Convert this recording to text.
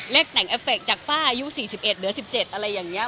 แต่งเอฟเฟคจากป้าอายุ๔๑เหลือ๑๗อะไรอย่างนี้